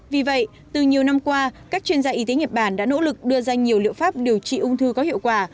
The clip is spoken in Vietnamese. vì vậy từ nhiều năm qua các chuyên gia y tế nhật bản đã nỗ lực đưa ra nhiều liệu pháp điều trị ung thư có hiệu quả